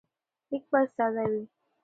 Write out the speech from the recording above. لیک باید ساده وي.